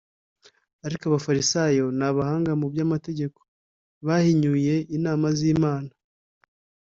Ariko Abafarisayo n abahanga mu by Amategeko bahinyuye inama z Imana